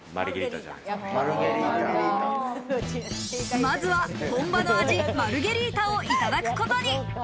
まずは本場の味、マルゲリータをいただくことに。